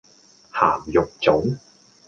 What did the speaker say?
鹹肉粽